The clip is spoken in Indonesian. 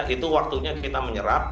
itu waktunya kita menyerap